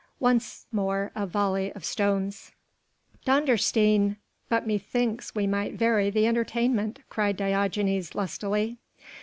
Once more a volley of stones. "Dondersteen! but methinks we might vary the entertainment," cried Diogenes lustily.